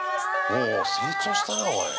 おお、成長したな、おい。